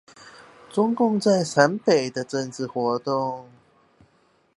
中共在陝北的政治活動